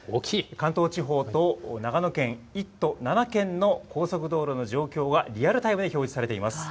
関東地方と長野県、１都７県の高速道路の状況がリアルタイムで表示されています。